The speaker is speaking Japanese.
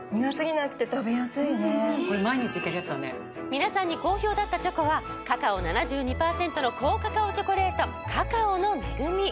皆さんに好評だったチョコはカカオ７２％の高カカオチョコレート「カカオの恵み」。